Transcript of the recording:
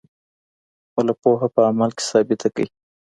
خپله پوهه په عمل کي ثابته کړئ.